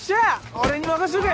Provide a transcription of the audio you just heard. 俺に任しとけ。